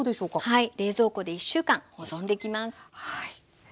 はい。